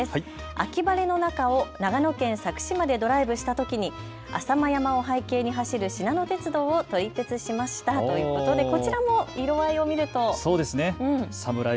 秋晴れの中を長野県佐久市までドライブしたときに浅間山を背景に走るしなの鉄道を撮り鉄しましたということでこちらも色合いを見るとサムライ